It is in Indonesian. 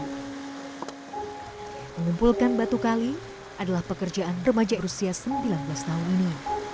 mengumpulkan batu kali adalah pekerjaan remaja rusia sembilan belas tahun ini